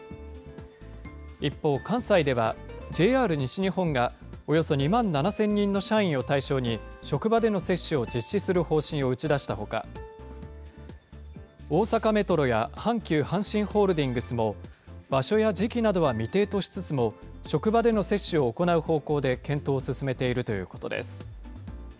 一方、関西では、ＪＲ西日本がおよそ２万７０００人の社員を対象に、職場での接種を実施する方針を打ち出したほか、大阪メトロや阪急阪神ホールディングスも場所や時期などは未定としつつも、職場での接種を行う方向で検討を進めているということ